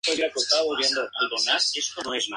La palabra deriva de "com-" "con" e "ire", "ir".